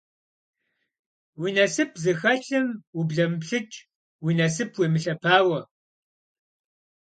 Уи насып зыхэлъым ублэмыплъыкӏ, уи насып уемылъэпауэ.